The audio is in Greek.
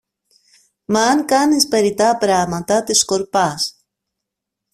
Μ' αν κάνεις περιττά πράματα, τη σκορπάς.